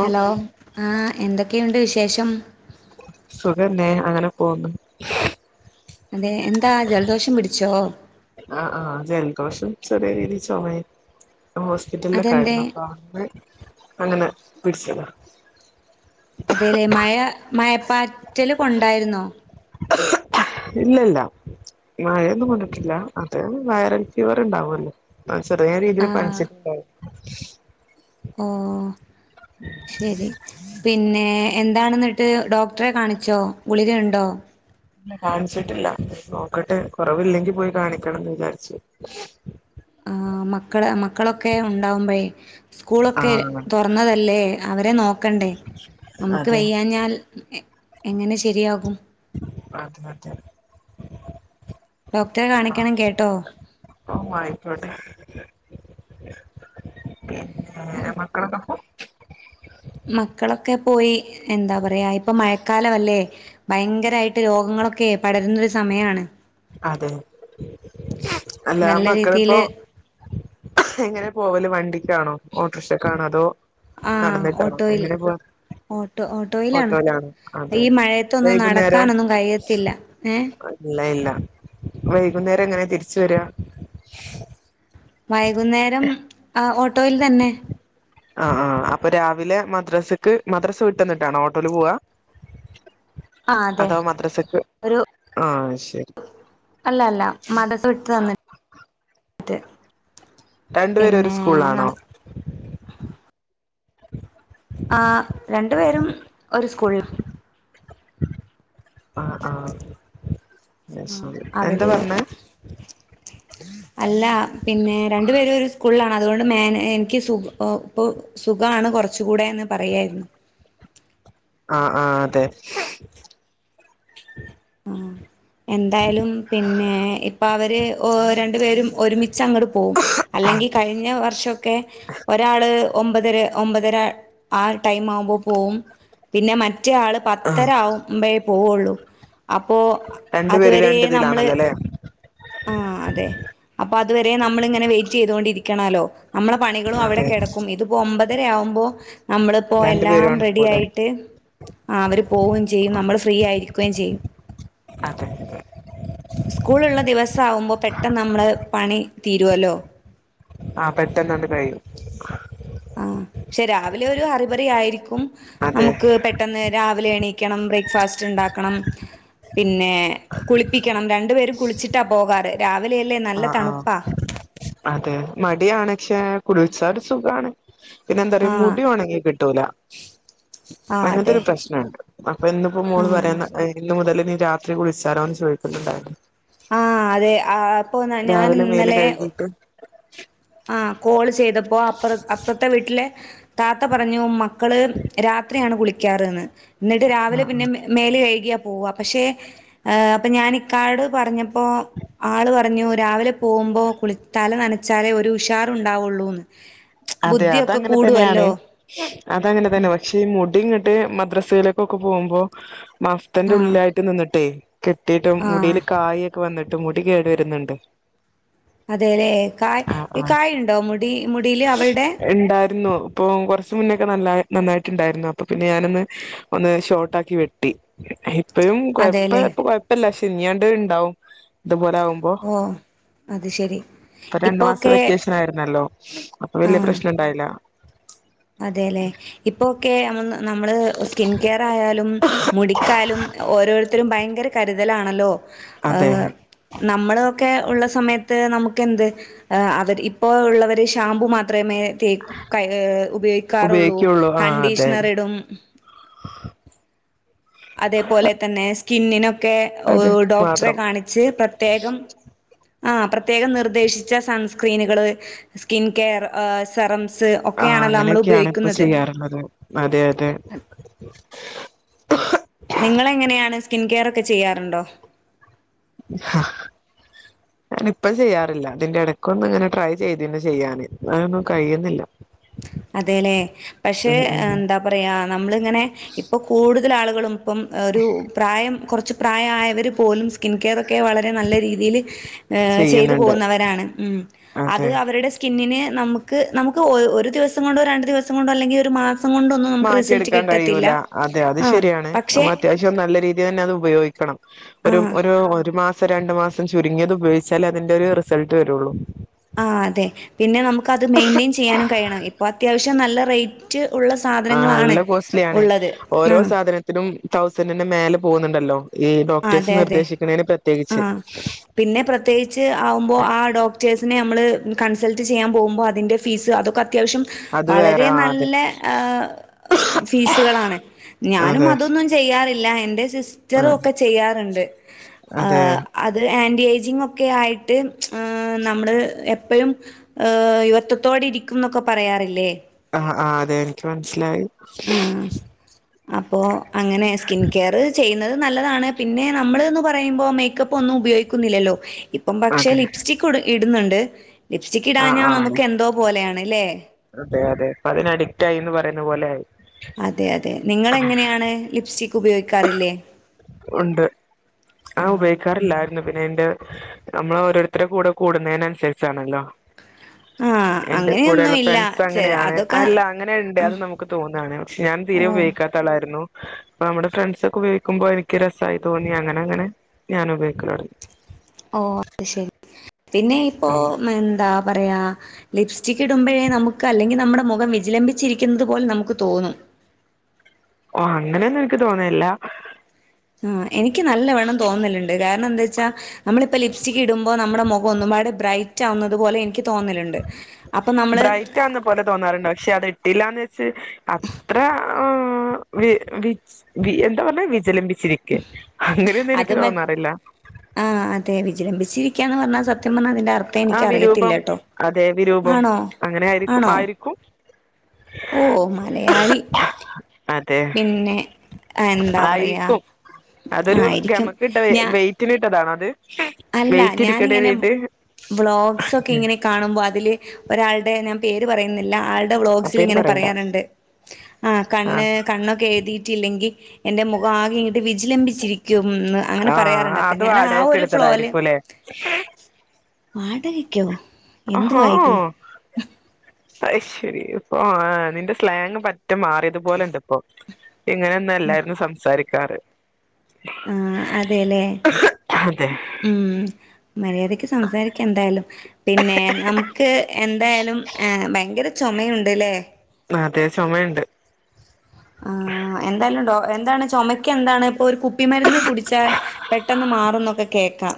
Hello ആഹ് എന്തൊക്കെയുണ്ട് വിശേഷം. സുഖന്നേ അങ്ങനെ പോവ്ന്ന്. അതെ എന്താ ജലദോഷം പിടിച്ചോ. ആഹ് ആഹ് ജൻദോശു ചെറിയ രീതി ചൊമയും [unintelligible] ശ്. റ്റില്ലുള്ള അതെന്തേ കാരണപ്പ ന്ന് അങ്ങനെ പിട്ച്ചതാ. അതെലെ മയ മയപ്പാറ്റല് കൊണ്ടായിരുന്നോ. ഇല്ലല്ല. മഴയൊന്നും കൊണ്ട്ട്ടില്ല അത് വൈറൽ ഫീവർ ണ്ടാവൊല്ലോ? ആഹ് ചെറിയ ആ രീതില് പൻച്ചിട്ടുണ്ട ഓഹ് ശരി. പിന്നേ എന്താണ്ന്നട്ട് ഡോക്ടറെ കാണിച്ചോ ഗുളികയുണ്ടോ? കാണിച്ചിട്ടില്ല നോക്കട്ട് കൊറവില്ലെങ്കി പോയി കാണിക്കണംന്ന് വിചാരിച്ച്. ആഹ് മക്കള് മക്കളൊക്കെ ഉണ്ടാവുമ്പഴെ. സ്കൂളൊക്കെ ആഹ് തൊർന്നതല്ലേ അവരെ നോക്കണ്ടേ നമുക്ക് അതെ വയ്യാഞ്ഞാൽ. ക്കെ എങ്ങനെ ശരിയാകും അതെതെ. ഡോക്ടറെ കാണിക്കണം കേട്ടോ? ഓഹ് വായിക്കോട്ടെ പിന്നാ ഏഹ് മക്കളൊക്കെ. മക്കളൊക്കെ പോയി എന്താ പറ അറയാ ഇപ്പ മഴക്കാലവല്ലേ ഭയങ്കരായിട്ട് രോഗങ്ങളൊക്കെ പടരുന്നൊരു സമയാണ്. അതെ അല്ല നല്ല മക്കളിപ്പോ. രീതിയില് എങ്ങനെ പോവല് വണ്ടിക്കാണോ ഓട്ടർഷക്കാണോ അതോ. ആഹ് നടന്നിട്ടാണൊ ഓട്ടോയിൽ എങ്ങനെ പോവ. ഓട്ടോ ഓട്ടോയിലാണ് അതെ ഈ മഴയത്തൊന്നും വൈകുന്നേരം നടക്കാനൊന്നും കഴിയത്തില്ല ഏഹ്. ഇല്ല ഇല്ല വൈകുന്നേരം എങ്ങനെ തിരിച്ച് വരാ. വൈകുന്നേരം ആഹ് ഓട്ടോയിൽ തന്നെ. ആഹ് ആഹ് അപ്പ രാവിലെ മദ്രാസക്ക് മദ്രാസ വിട്ടന്നിട്ടാണോ ഓട്ടോല് പോവാ? ആഹ് അതെ അതോ മദ്രറസക്ക് ഒരു ആഹ് ശരി. അല്ല അല്ല മദ്രസ വിട്ട് വന്നിട്ട്. രണ്ടു പേരും ഒരു പിന്നേ സ്കൂളിലാണോ നള ആഹ് രണ്ടു പേരും. ഒര് സ്കൂൾല്. ആഹ് ആഹ് ആഹ് ശരി എന്ത പർഞ്ഞെ. അല്ലാ പിന്നെ രണ്ടു പേരും ഒരു സ്കൂൾലാണ് അതുകൊണ്ട് മേൻ എനിക്ക് സു പൊ പ്പൊ. സുഖാണ് കൊർച്ച് കൂടെന്ന് പറയായിരുന്നു. ആഹ് ആഹ് അതെ. ആഹ് എന്തായാലും പിന്നെ ഇപ്പൊ അവര്. ഓ രണ്ടു പേരും ഒരുമിച്ചങ്ങട് പോം അല്ലെങ്കി കഴിഞ്ഞ വർഷോക്കെ. ഒരാള് ഒംമ്പതര ഒംമ്പതര ആ ടൈം ആംമ്പോ പോവും പിന്നെ മറ്റെആള് പത്തര ആഹ് ആവുംമ്പ പോവൊള്ളൂ അപ്പോ രണ്ടു പേര് അതുവരേം നമ്മള്. രണ്ടിതിലാണല്ലോ അല്ലെ ആഹ് അതെ അപ്പൊ അതുവരെ നമ്മളിങ്ങന വെയിറ്റേയ്തോണ്ടിരിക്കണലൊ നമ്മള പണികളും അവിടെ അതെ കെടക്കും ഇതിപ്പോ ഒംമ്പതര ആവുംമ്പോ നമ്മളിപ്പോ രണ്ടു എല്ലാം പേരുമാണ് പോവുന്നെ റെഡിയായിട്ട്. ആഹ് അവര് പോവും ചെയ്യും നമ്മള് ഫ്രീയായിരിക്കുകയും ചെയ്യും. അതെ. സ്കൂളുള്ള ദിവസം ആവുമ്പോ പെട്ടെന്ന് നമ്മള് പണി തീരുവല്ലോ ആ പെട്ടെന്നണ്ട് കഴിയും. ആഹ് പക്ഷെ രാവിലെ ഒരു അറിബറി ആയിരിക്കും അതെ നമുക്ക് പെ പെട്ടെന്ന് രാവിലെ എണീക്കണം ബ്രേക്ക്ഫാസ്റ്റ് ഇണ്ടാക്കണം. പിന്നെ കുളിപ്പിക്കണം രണ്ടു പേരും കുളിച്ചിട്ടാ പോകാറ് രാവിലെയല്ലേ നല്ല ആഹ് ആഹ് തണുപ്പാ. അതെ മടിയാണ് പക്ഷേ കുളിച്ചാ ഒര് സുഖാണ്. പിന്നെ എന്താ അറിയോ ആഹ് മുടി ഒണങ്ങി കിട്ടൂല ആഹ് അങ്ങനത്തെ അതെ ഒരു പ്രശ്നൊണ്ട്. അപ്പ ഇന്നിപ്പോ മോള് ആഹ് പറയുന്ന ഇന്ന് മുതല് ഇനീ രാത്രി കുളിച്ചാലോന്ന് ചോദിക്കുന്നുണ്ടായിരുന്നു. ആഹ് അതെ ആപ്പൊ ഞാൻ രാവിലെ മേല് ഇന്നലെ. കഴുകിട്ട് ആ കോള് ചെയ്തപ്പോ അപ്പറ അപ്പറത്തെ വീട്ടിലെ താത്ത പറഞ്ഞു മക്കള് രാത് ത്രിയാണ് കുളിക്കാറ്ന്ന് എന്നിട്ട് രാവിലെ ആഹ് ആഹ് പിന്നെം മേല് കഴുകിയാ പോവാ പക്ഷെ അപ്പ ഞാൻ ഇക്കാട് പറഞ്ഞപ്പോ ആള് പറ പറഞ്ഞു രാവിലെ പോവുംമ്പോ കുളി തല നനച്ചാലേ ഒരു ഉഷാറുണ്ടാവുള്ളൂന്ന് അതെ ബുദ്ധിയൊക്കെ അതങ്ങനെ തന്നെയാണ് കൂടുവല്ലോ അതങ്ങന തന്നെ പക്ഷേ ഈ മുടി ഇങ്ങട്ട് മദ്രസയിലക്കൊക്കെ പോംമ്പോ മഫ്തേന്റെ ആഹ് ഉള്ളിലായിട്ട് നിന്നിട്ടേ കെട്ടിയിട്ടും ആഹ് മുടീല് കായൊക്കെ വന്നിട്ട് മുടി കേടു വെരുന്നുണ്ട് അതേലെ കായ് ഈ കായുണ്ടോ മുടി മുടീല് അവൾടെ ഇണ്ടാര്ന്നു. അപ്പോം കൊറച്ചു മുന്നേക്ക നല്ല നന്നായിട്ടുണ്ടായിരുന്നു അപ്പൊ പിന്നെ ഞാനൊന്ന്. ഒന്ന് ഷോട്ടാക്കി വെട്ടി. ഇപ്പഴും കൊഴപ്പ അതെല്ലേ ഇപ്പ കൊഴപ്പില്ല ശെനിയാണ്ട് ഇണ്ടാവും ഇതുപോലാവും ഇപ്പൊ ഓ അത് ശരി രണ്ടു മാസ ഇപ്പൊക്കെ വെക്കേഷനായിരുന്നല്ലോ അപ്പൊ വല്യ പ്രശ്നൊണ്ടായില്ല അതേലെ ഇപ്പൊക്കെ ആണെന്ന നമ്മള് സ്കിൻ കെയർ ആയാലും മുടിക്കാലും ഓരോര് ത്തരും ഭയങ്കര കരുതലാണല്ലോ അതെ ആഹ് നമ്മളൊക്കെ ഉള്ള സമയത്ത് നമുക്കെന്ത് ആ അവര് ഇപ്പോ ഒള്ളവര് ഷാംമ്പു മാത്രമേ തേക്ക് കയ്യ് ഉപയോഗിക്കാറുള്ളൂ ഉപയോഗിക്കുള്ളൂ ആ അതെ കണ്ടീഷണറിടും അതേപോലെ തന്നെ സ്കിന്നിനും ഒക്കെ അതെ ഡോക്ടറെ മാത്രം കാണിച്ച് പ്രത്യേകം ആ പ്രത്യേകം നിർദ്ദേശിച്ച സൺസ്ക്രീനുകള് സ്കിൻകെയർ ആ സെറംസ് ഒക്കെ ആണല്ലോ നമ്മള് ഉപയോഗിക്കുന്നത് പറഞ്ഞത് അതെ അതെ നിങ്ങളെങ്ങനെയാണ് സ്കിൻ കെയറൊക്കെ ചെയ്യാറുണ്ടോ [unintelligible] എപ്പൊഴും ചെയ്യാറില്ല ഇതിന്റെ എടക്കൊന്നു ഇങ്ങനെ ട്രൈ ചെയ്തീന് ചെയ്യാന് അതൊന്നും കഴിയുന്നില്ല അതേലെ പക്ഷേ ഉം ഉം എന്താ പറയാ നമ്മളിങ്ങനെ ഇപ്പൊ കൂടുതൽ ആളുകളും ഇപ്പം ഒരു പ്രായം കുറച്ച് പ്രായായവര് പോലും സ്കിൻകെയറൊക്കെ വളരെ നല്ല രീതീല് ഏഹ് ചെയ്തു ചെയ്യുന്നുണ്ട് പോകുന്നവരാണ് ഉം അത് അതെ അവരുടെ സ്കിന്നിന് നമുക്ക് നമുക്ക് ഒ ഒരു ദിവസം കൊണ്ടോ രണ്ട് ദിവസം കൊണ്ടോ അല്ലെങ്കി ഒരു മാ മാറ്റിയെടുക്കാൻ കഴിയൂല്ല അതെ അത് ആഹ് ശെരിയാണ് പക്ഷെ നമ്മ അത്യാവശ്യം നല്ല രീ തിയന്നെ അത്‌ ഉപയോഗിക്കണം ഒര് ആഹ് ഒരു ഒരു മാ സം രണ്ടു മാസം ചുരുങ്ങിയത് ഉപയോഗിച്ചാലെ അതിന്റെരു റിസൾട്ട് വരുള്ളു ആഹ് അതെ പിന്നെ നമുക്ക് അത് മെയിന്റെയിൻ ചെയ്യാനും കഴിയണം ഇപ്പൊ അത്യാവശ്യം നല്ല റേറ്റ് ഉള്ള ആഹ് സാധനങ്ങളാണ് നല്ല കോസ്റ്റ്ലി ആണ് ഉള്ളത്. ഓരോ ആഹ് സാധന ത്തിനും തൗസൻഡിന്റെ മേലെ പോകുന്നുണ്ടല്ലോ ഈ ആ അതെ ഡോക്ടേഴ്സ് അതെ നിർദേശിക്കണേന് ആ പ്രത്യേകിച്ച് പിന്നെ പ്രത്യേകിച്ച് ആകുമ്പോ ആ ഡോക്ടേഴ്സിനെ നമ്മള് കൺസൾട്ട് ചെയ്യാൻ പോകുമ്പോ അതിൻന്റെ ഫീസ് അതൊക്കെ അ ത്യാവശ്യം അത് വളരെ വേറെ ആ അതെ നല്ല ആഹ് ഫീസുകളാണ് ഞാനും അതെ അതൊന്നും ചെയ്യാറില്ല എന്റെ ആ സിസ്റ്ററും ഒക്കെ ചെയ്യാറിണ്ട് അതെ ആ അത് ആന്റി ഏജിങ്ങൊക്കെ ആയിട്ട് ഏഹ് നമ്മള് എപ്പഴും ഏഹ് യുവത്വത്തോടെ ഇരിക്കുംന്നൊക്കെ പറയാറില്ലേ ആഹ് ആഹ് അതേ എനിക്ക് മനസ്സിലായി ആഹ് അപ്പോ അങ്ങനെ സ്കിൻ കെയർ ചെയ്യുന്നത് നല്ലതാണ് പിന്നെ നമ്മള്ന്ന് പറ ഞ്ഞ് കഴിയുമ്പോ മേക്കപ്പ് ഒന്നും ഉപയോഗിക്കുന്നില്ലല്ലോ ഇപ്പം പക്ഷെ അതെ ലിപ്സ്റ്റിക്ക് ഇടു ഇടുന്നെണ്ട് ലിപ്സ്റ്റിക്ക് ആ ഇടാഞ്ഞാ ആ നമുക്ക് എന്തോ പോലെയാണ് ഇല്ലേ അതെ അതെ ഇപ്പതിന് അഡിക്റ്റ് ആയീന്ന് പറയുന്ന പോലെ ആയി അതെ അതെ നിങ്ങളെങ്ങനെയാണ് ലിപ്സ്റ്റിക്ക് ഉപയോഗിക്കാറില്ലേ? ഒണ്ട് ഞാ ഉപയോഗിക്കാറില്ലായിരുന്നു പിന്നെ ഇന്റെ നമ്മള് ഓരോരുത്തരെ കൂടെ കൂടുന്നേനനുസരിച്ചാണല്ലോ ആഹ് എന്റെ അങ്ങനെയൊന്നും കൂടെയുള്ള ഇല്ല ഫ്രണ്ട്സ് ചെല അങ്ങനെയാണ് അതൊക്കെ അല്ല അങ്ങനെണ്ട് ആഹ് അത് നമുക്ക് തോന്നാണ് പക്ഷെ ഞാൻ തീരെ ഓഹ് ഉപയോഗിക്കാ ത്താളായിരുന്നു പ്പൊ നമ്മടെ ഫ്രണ്ട്സൊക്കെ ഉപയോഗിക്കുമ്പോ എനി ക്ക് രെസായി തോന്നി അങ്ങനെ അങ്ങനെ ഞാൻ ഉപയോഗിക്കല് തൊടങ്ങി ഓഹ് അത് ശരി പിന്നെ ഇപ്പോ ഉം എന്താ പറയാ ലിപ്സ്റ്റിക്ക് ഇടുമ്പഴെ നമുക്ക് അല്ലെങ്കി നമ്മടെ മുഖം വിജിലംമ്പിച്ചിരിക്കുന്നത് പോലെ നമുക്ക് തോന്നും ഓഹ് അങ്ങനെന്നും എനിക്ക് തോന്നലില്ല ഉം എനിക്ക് നല്ല വണ്ണം തോന്നലിണ്ട് കാരണം എന്താച്ചാ നമ്മളിപ്പ ലിപ്സ്റ്റിക്ക് ഇടുമ്പോ നമ്മടെ മുഖം ഒന്നുപാട് ബ്രൈറ്റ് ആകുന്നത് പോലെ എനിക്ക് തോന്നലുണ്ട്. അപ്പൊ നമ്മള് ബ്രയിറ്റാന്ന് പോലെ തോന്നാറുണ്ട് പക്ഷെ അത് ഇട്ടില്ലാന്ന് വെച്ച് അത്ര ആഹ് വി വിജി വി എന്താ പറഞ്ഞെ വിജലംബിച്ചിരിക്കെ അങ്ങനെയൊന്നും എനിക്ക് അത് മ തോന്നാറില്ല. ആഹ് അതെ വിജലംമ്പിച്ചിരിക്ക്യാന്ന് പറഞ്ഞാൽ സത്യം പറഞ്ഞാ അതിന്റർ ത്ഥം ആ വിരൂപം എനിക്കറിയത്തില്ലട്ടോ അതെ വിരൂപം ആണോ അങ്ങനെ ആയിരിക്കും ആണോ ആയിരിക്കും ഓഹ് മലയാളി അതെ പിന്നെ എന്താ പറയാ ആയിരിക്കും അതൊരു ആയിരിക്കും ഗമക്കിട്ട ഞാ വെയ് റ്റിനിട്ടതാണോ അത് അല്ല വെയിറ്റ് ഇരിക്കട്ടേന്ന് ഞാനിങ്ങനെ കര്തി വ്ളോഗ്സ് ഒക്കെ ഇങ്ങനെ കാണുമ്പൊ അതില് ഒരാളുടെ ഞാൻ പേര് പറയുന്നില്ല ആൾ ടെ ആ വ്ളോഗ്സിൽ പേര് ഇങ്ങനെ പറയണ്ട പറയാറിണ്ട് ആ കണ്ണ് കണ്ണൊക്കെ എഴുതീട്ടില്ലെങ്കി എന്റെ മുഖം ആകെ ഇങ്ങിട്ട് വിജിലംബിച്ചിരിക്കുംന്ന് അങ്ങനെ പറയാറിണ്ട് അപ്പൊ ഞാൻ ആ ഒരു ത്തതായിരിക്കുലെ വാടകക്കോ അഹാ അയ്ശരി ഇപ്പൊ നിന്റെ സ്ലാങ്‌ പറ്റെ മാറിയത് പോലെണ്ട് ഇപ്പൊ ഇങ്ങനെ ഒന്നു അല്ലായിരുന്നു സംസാരിക്കാറ് ആഹ് അതേല്ലേ അതെ ഉം മര്യാദക്ക് സംസാരിക്കെന്തായാലും പിന്നെ നമുക്ക് എന്തായാലും ഭയങ്കര ചുമയുണ്ട്ല്ലേ മ് ആഹ് അതെ ചുമയുണ്ട് ആഹ് എന്തായാലും ഡോ എന്താണ് ചുമക്കന്താണ് ഇപ്പൊ ഒരു കുപ്പിമരുന്ന് കുടിച്ചാൽ പെട്ടെന്ന് മാറുന്നൊക്കെ കേക്കാം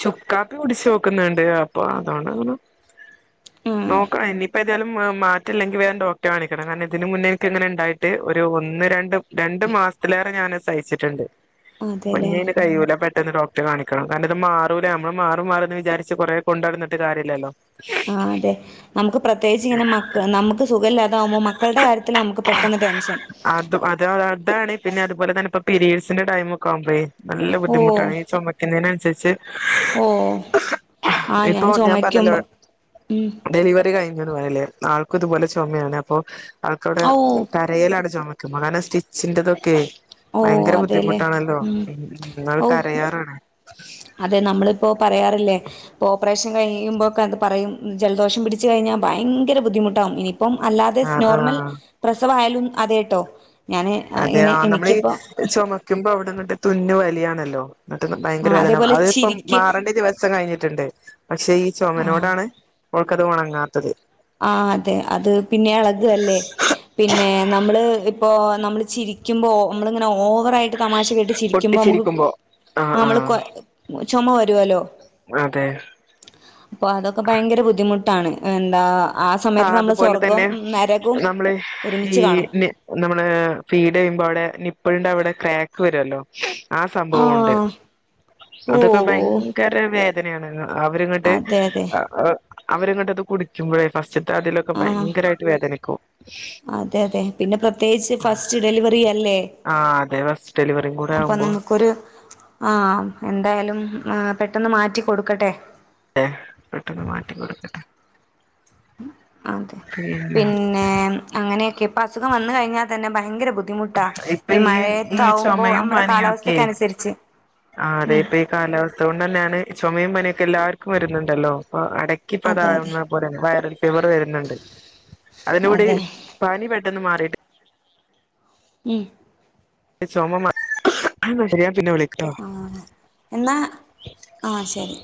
ചുക്കാപ്പി കുടിച്ചു നോക്കുന്നുണ്ട് അപ്പൊ അതൊണ്ടങ്ങനെ ഉം നോക്കണം ഇനി ഇപ്പ ന്തേലും മാ മാറ്റല്ലെങ്കിൽ വേഗം ഡോക്ടറെ കാണിക്കണം കാരണം ഇതിന മുന്നേ എനിക്ക്ങ്ങനെ ഇണ്ടായിട്ട് ഒരു ഒന്ന് രണ്ട് രണ്ട് മാസ തിലേറെ ഞാനത് സഹിച്ചിട്ടുണ്ട് അതെല്ലേ പ്പഞ്ഞിയിന് കഴിയൂല പേ ഇന്ന് ഡോക്ടറെ കാണിക്കണം കാരണം ഇത് മാറൂലേ നമ്മള് മാറും മാറുന്ന് വിചാരിച്ച് കൊറെ കൊണ്ടടന്നിട്ട് കാര്യല്ലല്ലോ ആഹ് അതെ നമുക്ക് പ്രത്യേകിച്ചിങ്ങനെ മക്ക നമുക്ക് സുഖംമല്ലാതാവുമ്പോ മക്കളുടെ കാര്യ ത് നമുക്ക് പെട്ടെന്ന് ടെൻഷൻ അത് അത അതാണ് പിന്നെതുപോലെ തന്നെപ്പൊ പിരീഡ്സിന്റെ ടൈം ഒക്കെ ആകുമ്പഴേ നല്ല ഓഹ് ബുദ്ധിമുട്ടാണ് ഈ ചുമക്കുന്നതിനനുസരിച്ച് ഓഹ് ആഹ് ഞാൻ ഇപ്പൊ പറഞ്ഞല്ലോ ചുമക്കുമ്പോ ഉം ഡെലിവറി കഴിഞ്ഞതും ല്ലേ ആൾക്കും ഇതുപോലെ ചുമയാണ് അപ്പോ ആൾക്കവിടെ ഓഹ് കാ കരയലാണ് ചുമക്കുമ്പോ കാരണം സ്റ്റിച്ചിന്റെതൊക്കെ ഓഹ് ഭയങ്കര അതെല്ലേ ബുദ്ധിമുട്ടാണല്ലോ ഉം ന്നാള് ഓഹ് കരയാറാണ് അതെ നമ്മളിപ്പോ പറയാറില്ലേ ഓപ്പറേഷൻ കഴിയുമ്പഴൊക്കെ അത് പറയും ജലദോഷം പിടച്ച് കഴിഞ്ഞാൽ ഭയങ്കര ബുദ്ധിമുട്ടാകും ഇനി ഇപ്പം അല്ലാതെ ആഹ് നോർമൽ ആഹ് പ്രസവായാലും അതേട്ടോ ഞാന് അതെ അയിന് ആഹ് നമ്മളീ എനിക്കിപ്പോ ചുമക്കുമ്പോ അവിടെന്നിട്ട് തുന്ന് വലിയാണല്ലോ അന്നിട്ടപ്പോ ആ ഭയങ്കര വേദന അതേപോലെ അതിപ്പം ചിരിക്ക് മാറേണ്ട ദിവസ് സം കഴിഞ്ഞിട്ടുണ്ട് പക്ഷെ ഈ ആ ചുമനോടാണ് അവൾക്കത് ഉണങ്ങാത്തത് ആഹ് അതെ അത് പിന്നെ ഇളക് അല്ലേ പിന്നെ നമ്മള് ഇപ്പോ നമ്മൾ ചിരി ക്കുമ്പോ ഓ മ്മളിങ്ങനെ ഓവറായിട്ട് തമാശ കെട്ടി ചിരിക്കുമ്പോ മ്മക്ക് പൊട്ടിച്ചിരിക്കുമ്പോ ആഹ് നമ്മള് കൊ ചുമ വരുവല്ലോ അതെ പ്പോ അതൊക്കെ ഭയങ്കര ബുദ്ധിമുട്ടാണ് എന്താ ആഹ് ആ സമയത്ത് നമ്മള് അതുപോലെ സ്വർഗം തന്നെ നരകവും നമ്മള് ഈ ഒരുമിച്ച് കാണും നി നമ്മള് ഫീഡയ്യുമ്പോ അവിടെ നിപ്പളിന്റെ അവിടെ ക്രാക്ക് വരോല്ലോ ആഹ് സംഭവുണ്ട് [inaudible] അതൊക്കെ ഓ ഭയങ്കര വേദനയാണ് അവരിങ്ങട്ട് അതെ അതെ അഹ് അവരങ്ങോട്ട് അത് കുടിക്കുമ്പോഴേ ഫസ്റ്റത്തെ അതിലൊക്കെ ആഹ് ഭയങ്കരായിട്ട് വേദനയ്ക്കും അതെ അതെ പിന്നെ പ്രത്യേകിച്ച് ഫസ്റ്റ് ഡെലിവറി അല്ലേ ആഹ് അതെെ ഫസ്റ്റ് ഡെലിവറികൂടെ അപ്പൊ ആക്കുമ്പോ നമുക്കൊരു ആഹ് എന്തായാലും മാ പെട്ടെന്ന് മാറ്റി കൊടുക്കട്ടെ ഏഹ് പെട്ടെന്ന് മാറ്റി കൊടുക്കട്ടെ അതെ പിന്നെ അങ്ങനെയക്കെ ഇപ്പ അസുഖം വന്ന്കഴിഞ്ഞാൽ തന്നെ ഭയങ്കര ബുദ്ധിമു ട്ടാ ഇപ്പൊ ഈ ഈ മഴയത്താവുമ്പോ ചുമയും നമ്മടെ പനിയൊക്കെ കാലാവസ്ഥക്ക് അനുസരിച്ച് ആ അതെ ഉം ഇപ്പൊ ഈ കാലാവസ്ഥ കൊണ്ട് തന്നെയാണ് ചുമയും പനിയെക്കെ എല്ലാവർക്കും വരുന്നുണ്ടല്ലോ പോ അട ഇക്കിപ്പത അതെ അതെ ഉമ്മെ പോലെന്നെ വൈറൽ ഫീവർ വരുന്നുണ്ട് അതിനുകൂടി അതെ പനി പെട്ടെന്ന് മാറിയിട്ട് ഉം ചോമ മാ എന്നാ ശരിയെ പിന്നെ വിളിക്കട്ടോ ആഹ് എന്നാ ആഹ് ശരി